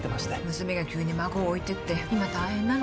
娘が急に孫を置いていって今、大変なの。